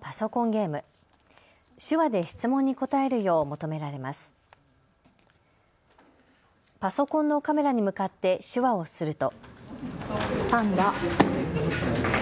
パソコンのカメラに向かって手話をすると。